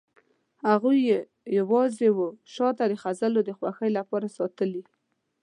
هغوی یې یوازې وه شاته د خزهوالو د خوښۍ لپاره ساتلي.